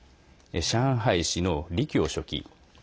上海市の李強書記。